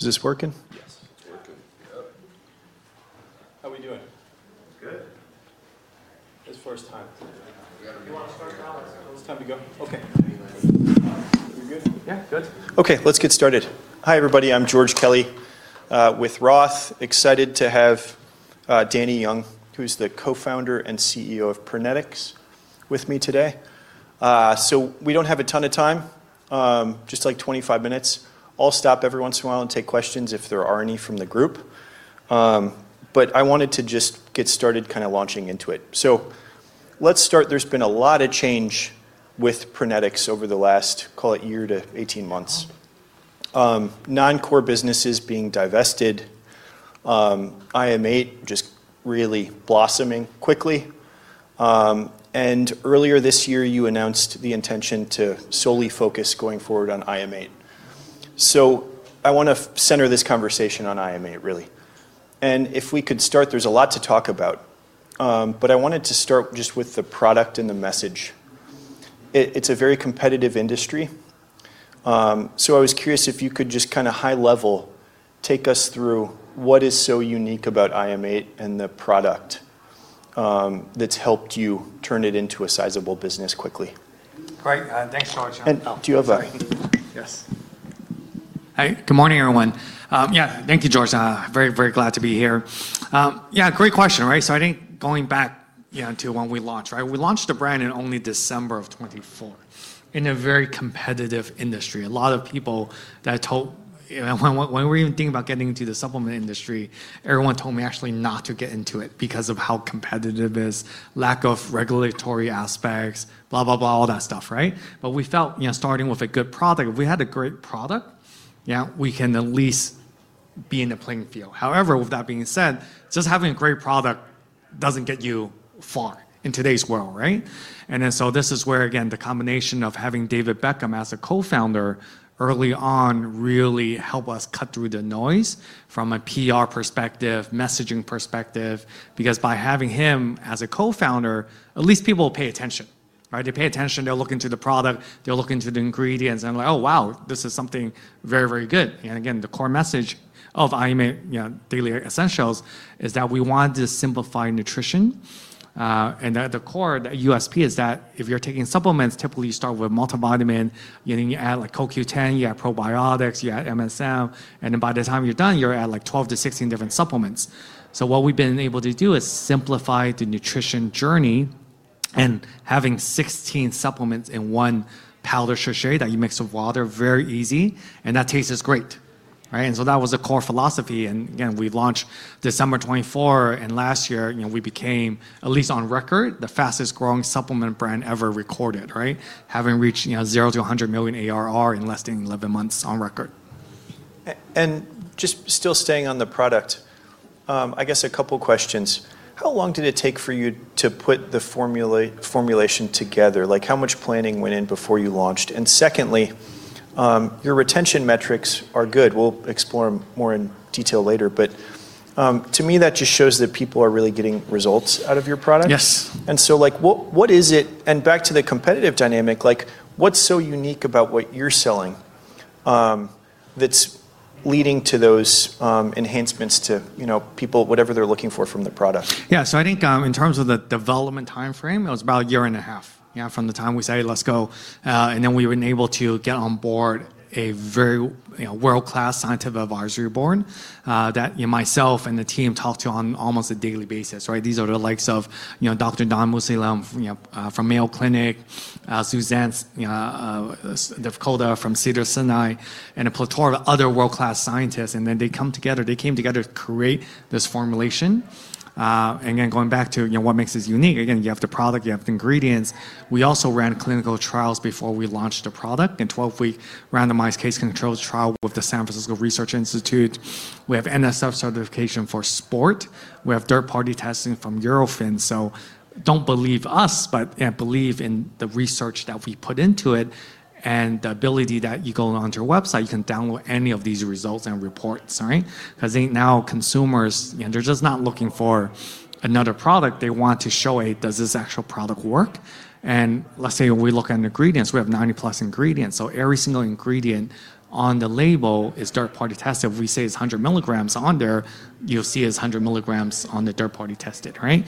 Hi, everybody. I'm George Kelly with Roth. Excited to have Danny Yeung, who's the Co-Founder and CEO of Prenetics, with me today. We don't have a ton of time, just like 25 minutes. I'll stop every once in a while and take questions if there are any from the group. But I wanted to just get started kinda launching into it. Let's start. There's been a lot of change with Prenetics over the last, call it, year to 18 months. Non-core businesses being divested, IM8 just really blossoming quickly and earlier this year, you announced the intention to solely focus going forward on IM8. I wanna center this conversation on IM8, really. If we could start, there's a lot to talk about, but I wanted to start just with the product and the message. It's a very competitive industry, so I was curious if you could just kinda high level take us through what is so unique about IM8 and the product, that's helped you turn it into a sizable business quickly. Great. Thanks, George. Do you have a- Sorry. Yes. Hi. Good morning, everyone. Thank you, George. Very, very glad to be here. Great question, right? I think going back to when we launched, right? We launched the brand in only December of 2024 in a very competitive industry. A lot of people that told... when we were even thinking about getting into the supplement industry, everyone told me actually not to get into it because of how competitive it is, lack of regulatory aspects, blah, blah, all that stuff, right? We felt, you know, starting with a good product, if we had a great product, we can at least be in the playing field. However, with that being said, just having a great product doesn't get you far in today's world, right? This is where, again, the combination of having David Beckham as a Co-Founder early on really help us cut through the noise from a PR perspective, messaging perspective. Because by having him as a Co-Founder, at least people will pay attention, right? They pay attention, they'll look into the product, they'll look into the ingredients and like, "Oh, wow, this is something very, very good." Again, the core message of IM8, Daily Essentials, is that we want to simplify nutrition. At the core, the USP is that if you're taking supplements, typically you start with multivitamin, and then you add like CoQ10, you add probiotics, you add MSM, and then by the time you're done, you're at like 12-16 different supplements. What we've been able to do is simplify the nutrition journey and having 16 supplements in one powder sachet that you mix with water very easy and that tastes great, right? That was the core philosophy. Again, we've launched December 2024, and last year, you know, we became, at least on record, the fastest growing supplement brand ever recorded, right? Having reached, you know, $0 to $100 million ARR in less than 11 months on record. Just still staying on the product, I guess a couple questions. How long did it take for you to put the formulation together? Like, how much planning went in before you launched? Secondly, your retention metrics are good. We'll explore them more in detail later. To me, that just shows that people are really getting results out of your product. Yes. Back to the competitive dynamic, like, what's so unique about what you're selling, that's leading to those enhancements to, you know, people, whatever they're looking for from the product? I think, in terms of the development timeframe, it was about a year and a half, you know, from the time we said, "Let's go." We were able to get on board a very, you know, world-class scientific advisory Board, that, you know, myself and the team talk to on almost a daily basis, right? These are the likes of, you know, Dr. Dawn Mussallem from, you know, from Mayo Clinic, Suzanne Devkota from Cedars-Sinai, and a plethora of other world-class scientists, and then they come together. They came together to create this formulation. Again, going back to, you know, what makes this unique, again, you have the product, you have the ingredients. We also ran clinical trials before we launched the product in 12-week randomized case-control trial with the San Francisco Research Institute. We have NSF Certified for Sport. We have third-party testing from Eurofins. Don't believe us, but, you know, believe in the research that we put into it and the ability that you go onto our website, you can download any of these results and reports, right? 'Cause I think now consumers, you know, they're just not looking for another product. They want to know, like, does this actual product work? Let's say we look at ingredients, we have 90+ ingredients, so every single ingredient on the label is third-party tested. If we say it's 100 mg on there, you'll see it's 100 mg in the third-party test, right?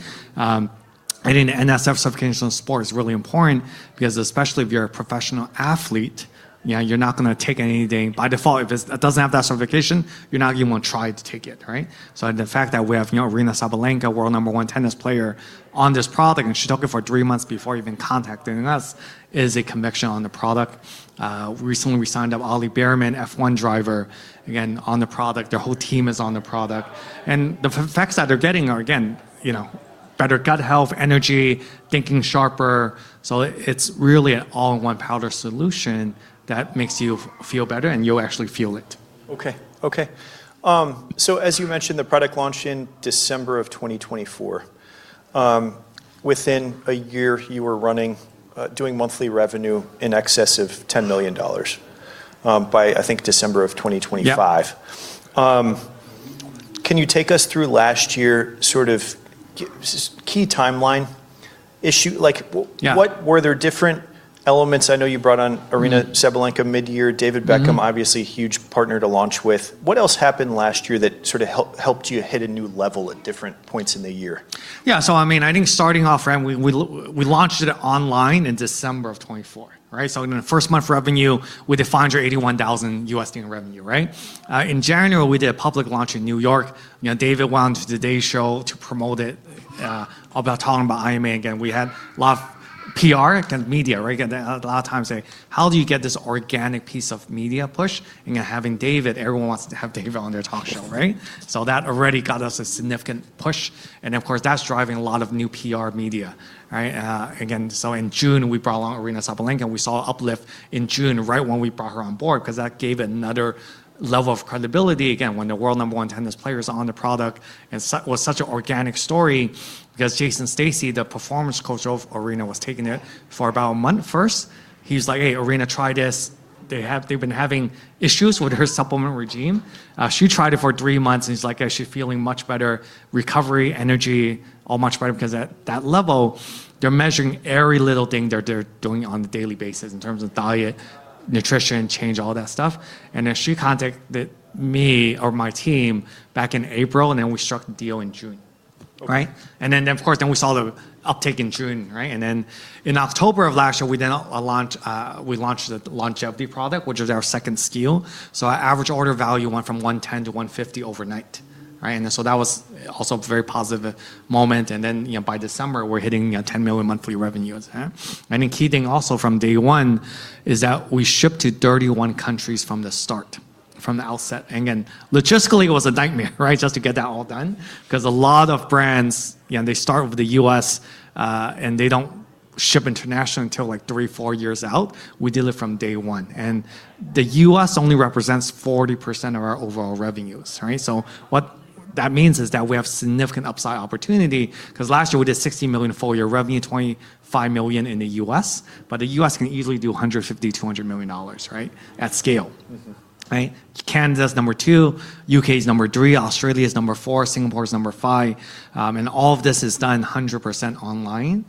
NSF Certified for Sport is really important because especially if you're a professional athlete, you know, you're not gonna take anything. By default, if it's, it doesn't have that certification, you're not even gonna try to take it, right? The fact that we have, you know, Aryna Sabalenka, world number one tennis player, on this product, and she took it for three months before even contacting us, is a conviction on the product. Recently we signed up Ollie Bearman, F1 driver, again, on the product. Their whole team is on the product. The effects that they're getting are, again, you know, better gut health, energy, thinking sharper. It's really an all-in-one powder solution that makes you feel better, and you'll actually feel it. As you mentioned, the product launched in December of 2024. Within a year you were running, doing monthly revenue in excess of $10 million by, I think, December of 2025. Yep. Can you take us through last year sort of key timeline issue? Were there different elements? I know you brought on Aryna Sabalenka mid-year. David Beckham, obviously huge partner to launch with. What else happened last year that sort of helped you hit a new level at different points in the year? I mean, I think starting off, right, we launched it online in December 2024, right? In the first month revenue, we did $581,000 in revenue, right? In January, we did a public launch in New York. You know, David went on to TODAY Show to promote it, talking about IM8 again. We had a lot of PR and media, right? A lot of times, how do you get this organic piece of media push? You know, having David, everyone wants to have David on their talk show, right? That already got us a significant push, and of course, that's driving a lot of new PR media, right? Again, in June, we brought on Aryna Sabalenka. We saw uplift in June right when we brought her on board because that gave another level of credibility, again, when the world number one tennis player is on the product. It was such an organic story because Jason Stacy, the performance coach of Aryna, was taking it for about a month first. He's like, "Hey, Aryna, try this." They've been having issues with her supplement regimen. She tried it for three months, and he's like, "Yeah, she's feeling much better, recovery, energy, all much better." Because at that level, they're measuring every little thing they're doing on a daily basis in terms of diet, nutrition change, all that stuff. She contact me or my team back in April, and then we struck the deal in June. Okay. Right? Of course, we saw the uptake in June, right? In October of last year, we launched the Longevity product, which is our second SKU. Our average order value went from $110 to $150 overnight, right? That was also a very positive moment. By December, we're hitting $10 million monthly revenues. I think key thing also from day one is that we ship to 31 countries from the start, from the outset. Again, logistically, it was a nightmare, right, just to get that all done because a lot of brands, you know, they start with the U.S., and they don't ship international until, like, three, four years out. We did it from day one. The U.S. only represents 40% of our overall revenues, right? What that means is that we have significant upside opportunity because last year we did $60 million full-year revenue, $25 million in the U.S., but the U.S. can easily do $150 million-$200 million, right, at scale. Right? Canada is number two, U.K. is number three, Australia is number four, Singapore is number five. All of this is done 100% online,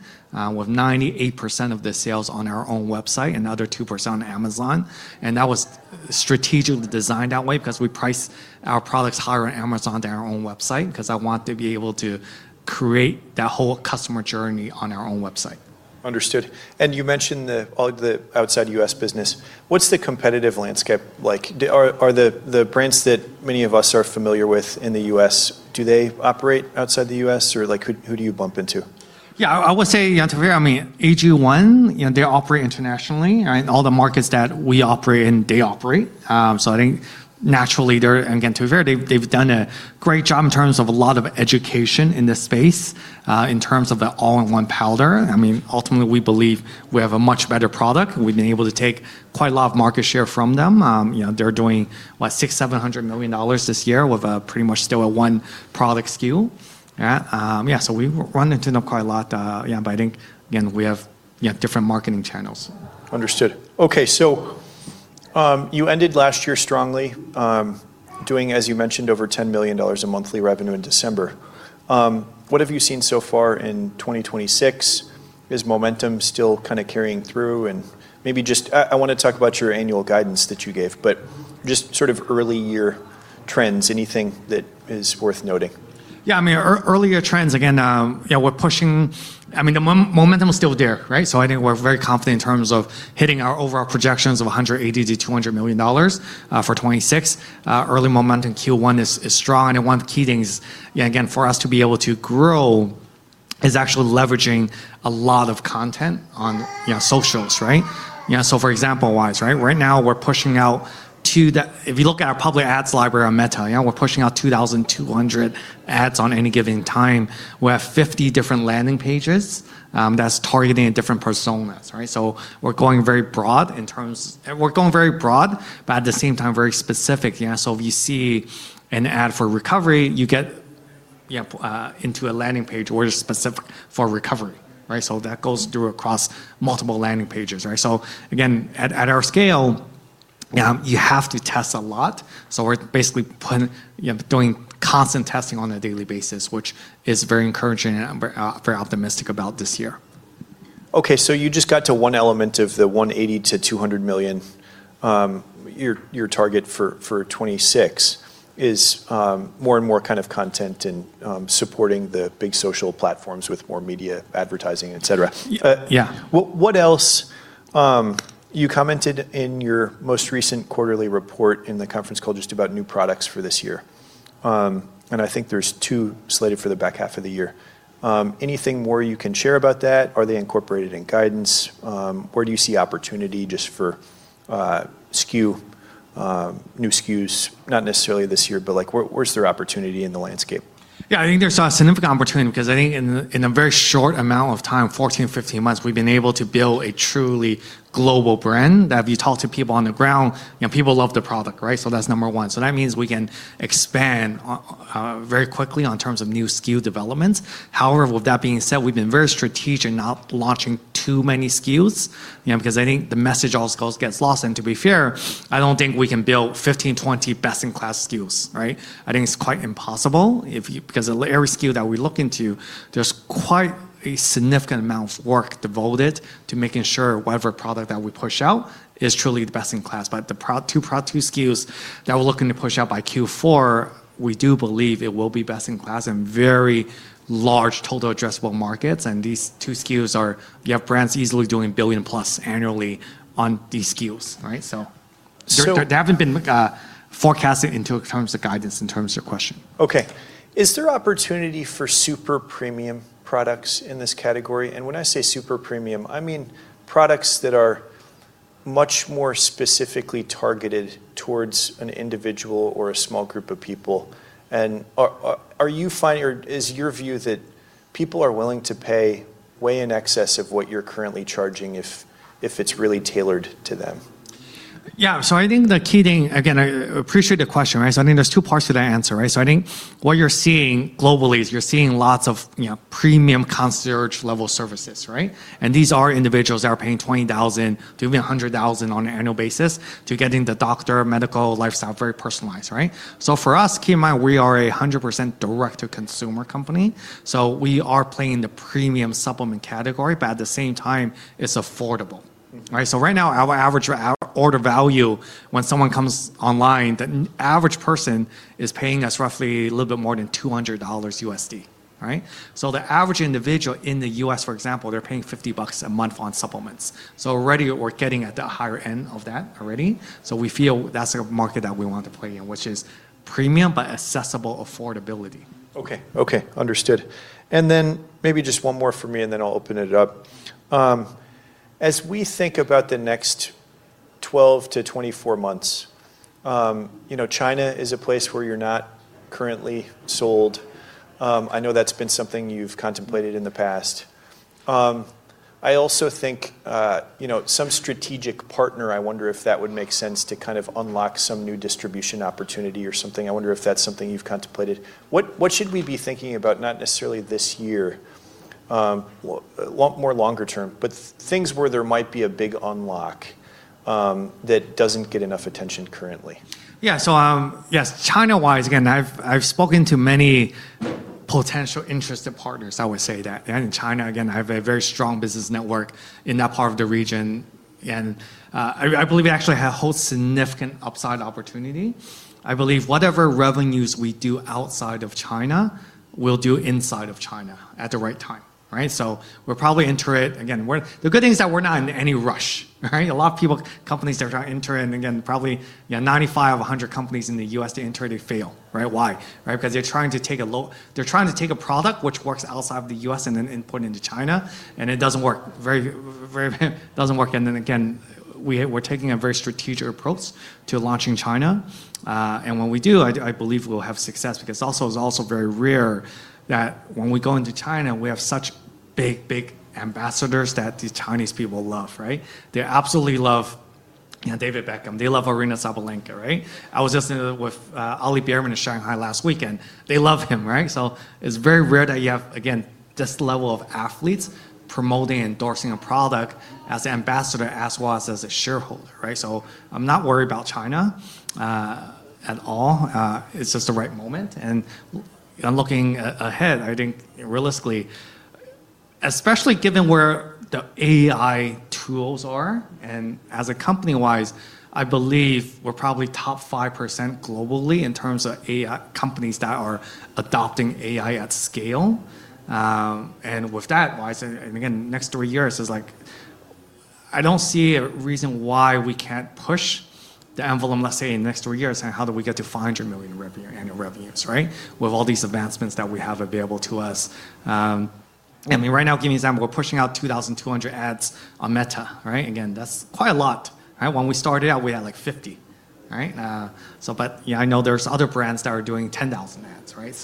with 98% of the sales on our own website, another 2% on Amazon. That was strategically designed that way because we price our products higher on Amazon than our own website because I want to be able to create that whole customer journey on our own website. Understood. You mentioned all the outside U.S. business. What's the competitive landscape like? Are the brands that many of us are familiar with in the U.S., do they operate outside the U.S. or, like, who do you bump into? I would say, yeah, to be fair, I mean, AG1, you know, they operate internationally, right? All the markets that we operate in, they operate. I think naturally they're, and again, to be fair, they've done a great job in terms of a lot of education in this space, in terms of the all-in-one powder. I mean, ultimately, we believe we have a much better product. We've been able to take quite a lot of market share from them. You know, they're doing what? $600 million-$700 million this year with pretty much still a one product SKU. Yeah. Yeah, we run into them quite a lot. Yeah, I think, again, we have different marketing channels. Understood. Okay. You ended last year strongly, doing, as you mentioned, over $10 million in monthly revenue in December. What have you seen so far in 2026? Is momentum still kind of carrying through? Maybe just I wanna talk about your annual guidance that you gave, but just sort of early year trends, anything that is worth noting. I mean, earlier trends, again, yeah, we're pushing. I mean, the momentum is still there, right? I think we're very confident in terms of hitting our overall projections of $180 million-$200 million for 2026. Early momentum in Q1 is strong, and one of the key things, yeah, again, for us to be able to grow is actually leveraging a lot of content on, you know, socials, right? You know, so for example-wise, right? Right now we're pushing out 2,200 ads. If you look at our public ads library on Meta, you know, we're pushing out 2,200 ads at any given time. We have 50 different landing pages that's targeting different personas, right? So we're going very broad in terms. We're going very broad, but at the same time, very specific, you know. If you see an ad for recovery, you get into a landing page where it's specific for recovery, right? That goes through across multiple landing pages, right? Again, at our scale, you have to test a lot. We're basically, you know, doing constant testing on a daily basis, which is very encouraging and I'm very optimistic about this year. Okay, you just got to one element of the $180 million-$200 million. Your target for 2026 is more and more kind of content and supporting the big social platforms with more media advertising, etc. What else? You commented in your most recent quarterly report in the conference call just about new products for this year. I think there's two slated for the back half of the year. Anything more you can share about that? Are they incorporated in guidance? Where do you see opportunity just for SKU, new SKUs? Not necessarily this year, but like, where's their opportunity in the landscape? I think there's a significant opportunity because I think in a very short amount of time, 14, 15 months, we've been able to build a truly global brand that if you talk to people on the ground, you know, people love the product, right? That's number one. That means we can expand on very quickly on terms of new SKU developments. However, with that being said, we've been very strategic, not launching too many SKUs, you know, because I think the message also goes, gets lost. To be fair, I don't think we can build 15, 20 best-in-class SKUs, right? I think it's quite impossible because every SKU that we look into, there's quite a significant amount of work devoted to making sure whatever product that we push out is truly the best in class. Two SKUs that we're looking to push out by Q4, we do believe it will be best in class in very large total addressable markets. These two SKUs are, you have brands easily doing $1 billion+ annually on these SKUs, right? So- They haven't been forecasted into in terms of guidance, in terms of your question. Okay. Is there opportunity for super premium products in this category? When I say super premium, I mean products that are much more specifically targeted towards an individual or a small group of people. Is your view that people are willing to pay way in excess of what you're currently charging if it's really tailored to them? I think the key thing, again, I appreciate the question, right? I think there's two parts to that answer, right? I think what you're seeing globally is you're seeing lots of, you know, premium concierge level services, right? These are individuals that are paying $20,000-$100,000 on an annual basis to getting the doctor, medical, lifestyle, very personalized, right? For us, keep in mind, we are 100% direct-to-consumer company, so we are playing the premium supplement category, but at the same time, it's affordable, right? Right now, our average or our order value when someone comes online, the average person is paying us roughly a little bit more than $200, right? The average individual in the U.S., for example, they're paying $50 a month on supplements. Already we're getting at the higher end of that already. We feel that's a market that we want to play in, which is premium, but accessible affordability. Okay. Understood. Then maybe just one more for me, and then I'll open it up. As we think about the next 12-24 months, you know, China is a place where you're not currently sold. I know that's been something you've contemplated in the past. I also think, you know, some strategic partner, I wonder if that would make sense to kind of unlock some new distribution opportunity or something. I wonder if that's something you've contemplated. What should we be thinking about, not necessarily this year, more longer term, but things where there might be a big unlock, that doesn't get enough attention currently? China-wise, again, I've spoken to many potential interested partners, I would say that. In China, again, I have a very strong business network in that part of the region. I believe it actually holds significant upside opportunity. I believe whatever revenues we do outside of China, we'll do inside of China at the right time, right? We'll probably enter it. The good thing is that we're not in any rush, right? A lot of people, companies that are entering, again, probably, you know, 95 out of 100 companies in the U.S., they enter, they fail, right? Why, right? Because they're trying to take a product which works outside of the U.S. and then import into China, and it doesn't work. Very, it doesn't work. We're taking a very strategic approach to launching in China. When we do, I believe we'll have success because it's also very rare that when we go into China, we have such big ambassadors that the Chinese people love, right? They absolutely love, you know, David Beckham. They love Aryna Sabalenka, right? I was just in Shanghai with Ollie Bearman last weekend. They love him, right? It's very rare that you have, again, this level of athletes promoting, endorsing a product as an ambassador as well as a shareholder, right? I'm not worried about China at all. It's just the right moment and looking ahead, I think realistically, especially given where the AI tools are, and as a company-wise, I believe we're probably top 5% globally in terms of AI companies that are adopting AI at scale. With that, why I say, again, next three years is like I don't see a reason why we can't push the envelope. Let's say in the next three years, how do we get to $500 million revenue, annual revenues, right? With all these advancements that we have available to us. I mean, right now, give you an example, we're pushing out 2,200 ads on Meta, right? Again, that's quite a lot, right? When we started out, we had, like, 50, right? But, you know, I know there's other brands that are doing 10,000 ads, right?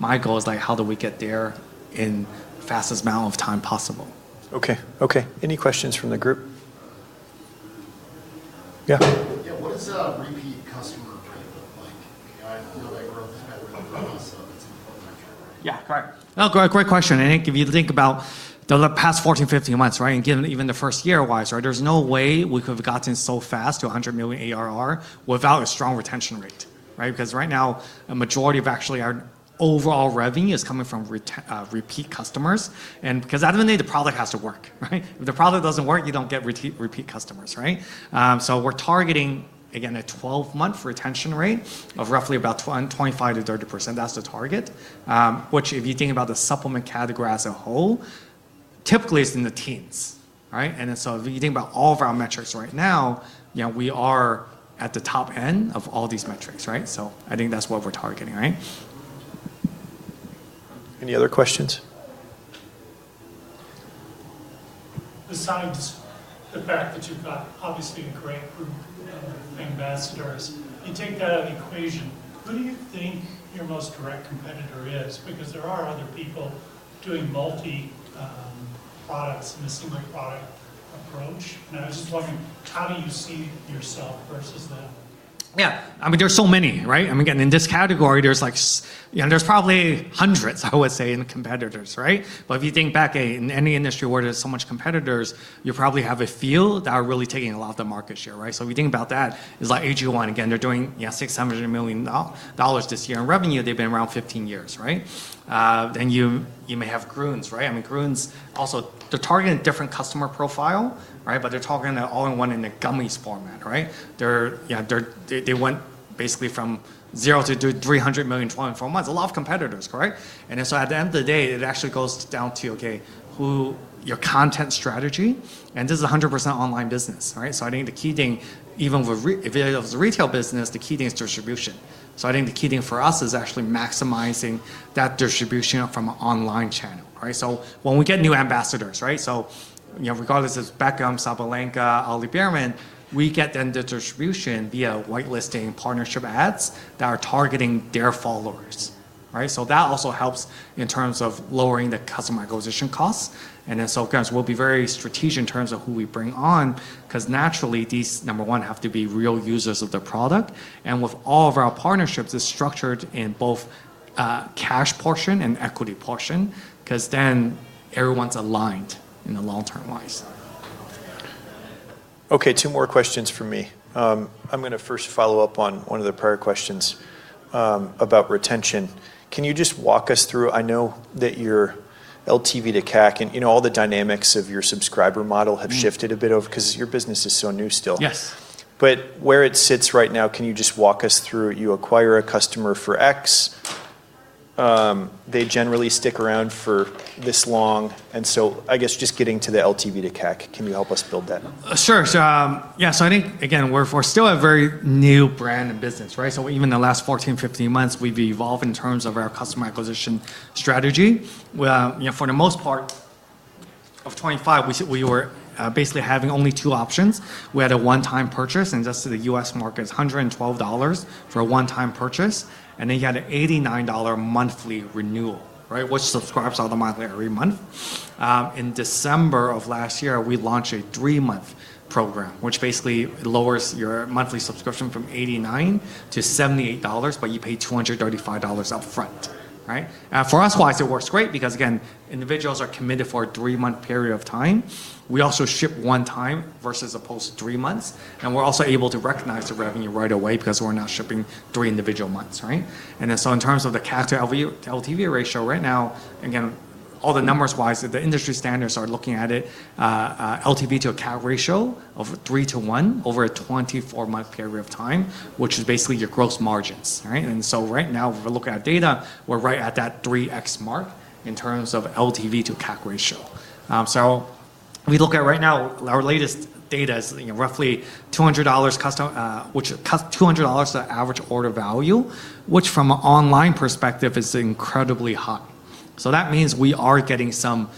My goal is, like, how do we get there in the fastest amount of time possible. Okay. Any questions from the group? Yeah. What is a repeat customer rate look like? You know, I feel like we're ahead of the curve on some of these performance metrics. Correct. No, great. Great question. I think if you think about the past 14, 15 months, right? Given even the first year-wise, right? There's no way we could have gotten so fast to $100 million ARR without a strong retention rate, right? Because right now, a majority of actually our overall revenue is coming from repeat customers. Because at the end of the day, the product has to work, right? If the product doesn't work, you don't get repeat customers, right? We're targeting, again, a 12-month retention rate of roughly about 25%-30%. That's the target. Which if you think about the supplement category as a whole, typically it's in the teens, right? If you think about all of our metrics right now, you know, we are at the top end of all these metrics, right? I think that's what we're targeting, right? Any other questions? Besides the fact that you've got obviously a great group of ambassadors, you take that out of the equation, who do you think your most direct competitor is? Because there are other people doing multi, products and a similar product approach. I was just wondering, how do you see yourself versus them? I mean, there are so many, right? I mean, again, in this category there's like you know, there's probably hundreds, I would say, in competitors, right? If you think back in any industry where there's so much competitors, you probably have a few that are really taking a lot of the market share, right? We think about that, it's like AG1 again, they're doing you know $600 million this year in revenue. They've been around 15 years, right? Then you may have Grüns, right? I mean, Grüns also they're targeting a different customer profile, right? They're targeting that all in one in a gummies format, right? They went basically from $0 to $200 million, $300 million in 14 months. A lot of competitors, correct? At the end of the day, it actually goes down to, okay, your content strategy, and this is 100% online business, right? I think the key thing, even if it was a retail business, the key thing is distribution. I think the key thing for us is actually maximizing that distribution from an online channel, right? When we get new ambassadors, right? You know, regardless if it's Beckham, Sabalenka, Ollie Bearman, we get then the distribution via whitelisting partnership ads that are targeting their followers, right? That also helps in terms of lowering the customer acquisition costs, and then, guys, we'll be very strategic in terms of who we bring on, 'cause naturally these, number one, have to be real users of the product. With all of our partnerships, it's structured in both cash portion and equity portion, 'cause then everyone's aligned in the long-term wise. Okay, two more questions from me. I'm gonna first follow up on one of the prior questions about retention. Can you just walk us through, I know that your LTV-to-CAC and, you know, all the dynamics of your subscriber model. Have shifted a bit off, 'cause your business is so new still. Yes. Where it sits right now, can you just walk us through, you acquire a customer for X, they generally stick around for this long, and so I guess just getting to the LTV-to-CAC, can you help us build that? Sure. Yeah. I think again, we're still a very new brand and business, right? Even the last 14, 15 months, we've evolved in terms of our customer acquisition strategy. You know, for the most part of 2025, we were basically having only two options. We had a one-time purchase, and just to the U.S. market, it's $112 for a one-time purchase, and then you had an $89 monthly renewal, right? Which subscribes all the month, every month. In December of last year, we launched a three-month program, which basically lowers your monthly subscription from $89 to $78, but you pay $235 upfront, right? For us, why it works great, because again, individuals are committed for a three-month period of time. We also ship one time as opposed to three months, and we're also able to recognize the revenue right away because we're now shipping three individual months, right? In terms of the CAC-to-LTV ratio, right now, again, all the numbers-wise, the industry standards are looking at it, LTV-to-CAC ratio of 3:1 over a 24-month period of time, which is basically your gross margins, right? Right now, if we're looking at data, we're right at that 3x mark in terms of LTV-to-CAC ratio. We look at right now, our latest data is, you know, roughly $200 CAC, which is $200 average order value, which from an online perspective is incredibly high. That means we are getting some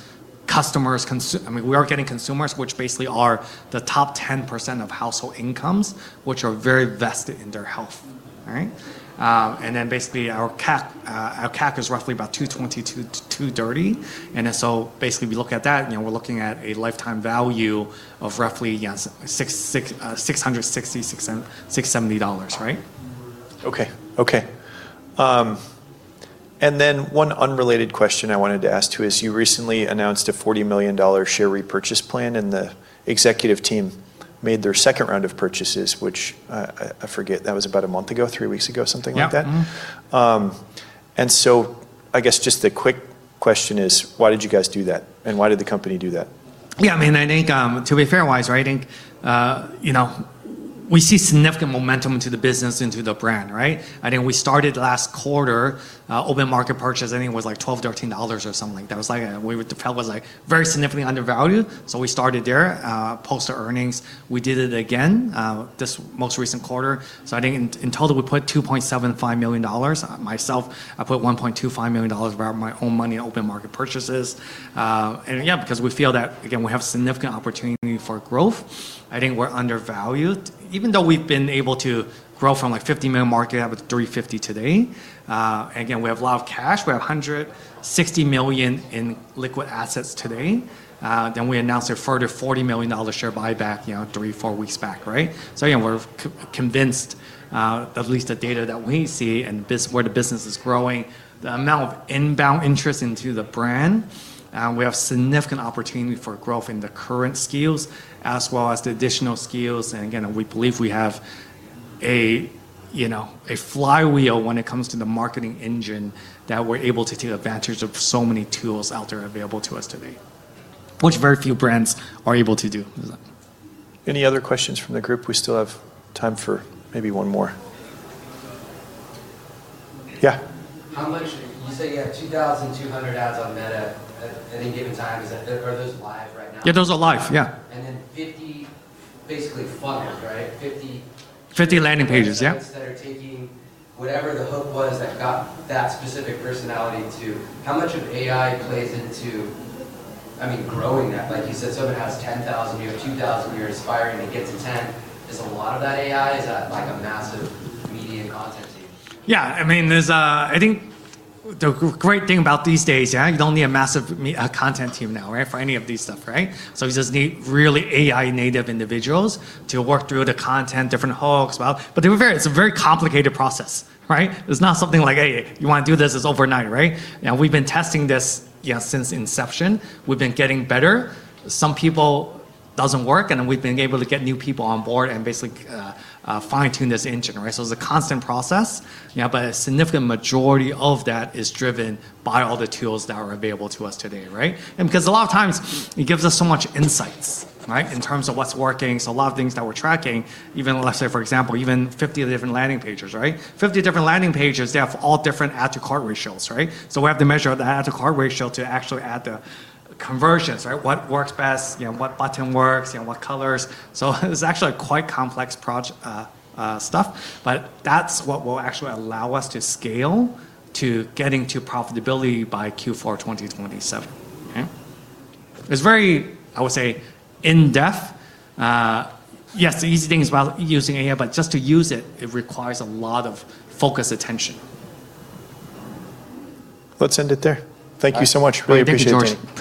customers, we are getting consumers which basically are the top 10% of household incomes, which are very vested in their health, right? Our CAC is roughly about $220-$230. We look at that, you know, we're looking at a lifetime value of roughly $660-$670, right? One unrelated question I wanted to ask too is, you recently announced a $40 million share repurchase plan, and the executive team made their second round of purchases, which, I forget, that was about a month ago, three weeks ago, something like that. I guess just a quick question is, why did you guys do that? Why did the company do that? I mean, I think, to be fair wise, right, I think, you know, we see significant momentum into the business, into the brand, right? I think we started last quarter, open market purchase. I think it was like $12-$13 or something like that. The pubco was very significantly undervalued. We started there. Post the earnings, we did it again, this most recent quarter. I think in total, we put $2.75 million. Myself, I put $1.25 million of my own money in open market purchases. Yeah, because we feel that, again, we have significant opportunity for growth. I think we're undervalued. Even though we've been able to grow from like $50 million market cap, it's $350 million today. Again, we have a lot of cash. We have $160 million in liquid assets today. We announced a further $40 million share buyback, you know, three, four weeks back, right? We're convinced, at least the data that we see and where the business is growing, the amount of inbound interest into the brand, we have significant opportunity for growth in the current sales as well as the additional sales. We believe we have a flywheel when it comes to the marketing engine, that we're able to take advantage of so many tools out there available to us today, which very few brands are able to do. Any other questions from the group? We still have time for maybe one more. Yeah. You say you have 2,200 ads on Meta at any given time. Are those live right now? Yeah, those are live. Yeah. 50, basically funnels, right? 50 landing pages. Yeah That are taking whatever the hook was that got that specific personality to how much of AI plays into, I mean, growing that. Like you said, someone has 10,000, you have 2,000, you're aspiring to get to 10,000. Is a lot of that AI? Is that like a massive media content team? Yeah. I mean, I think the great thing about these days, yeah, you don't need a massive content team now, right? For any of these stuff, right? We just need really AI native individuals to work through the content, different hooks. It's a very complicated process, right? It's not something like, "Hey, you wanna do this?" It's overnight, right? Now, we've been testing this, yeah, since inception. We've been getting better. Some people doesn't work, and then we've been able to get new people on board and basically, fine-tune this engine, right? It's a constant process. A significant majority of that is driven by all the tools that are available to us today, right? Because a lot of times it gives us so much insights, right? In terms of what's working. A lot of things that we're tracking, even let's say for example, even 50 of the different landing pages, right? 50 different landing pages, they have all different add-to-cart ratios, right? We have to measure the add-to-cart ratio to actually add the conversions, right? What works best, you know, what button works, you know, what colors. It's actually quite complex stuff, but that's what will actually allow us to scale to getting to profitability by Q4 2027. Okay? It's very, I would say, in-depth. Yes, the easy thing is about using AI, but just to use it requires a lot of focused attention. Let's end it there. Thank you so much. All right. really appreciate your time.